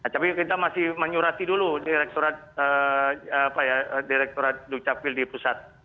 tapi kita masih menyurati dulu direkturat dukcapil di pusat